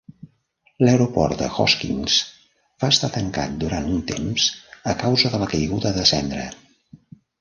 L'aeroport de Hoskins va estar tancat durant un temps a causa de la caiguda de cendra.